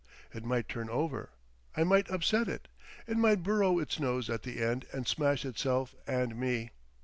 It might turn over. I might upset it. It might burrow its nose at the end and smash itself and me.